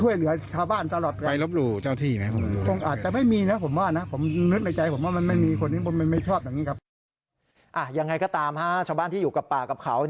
ยังไงก็ตามชาวบ้านที่อยู่กับป่ากับเขา